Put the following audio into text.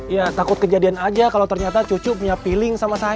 ya takut kejadian aja kalau ternyata cucu punya pilling sama saya